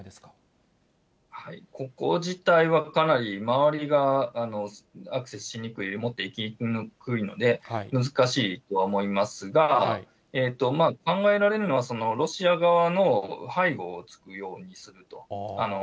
ここ自体は、かなり周りがアクセスしにくい、持っていきにくいので、難しいとは思いますが、考えられるのは、ロシア側の背後をつくようにすると。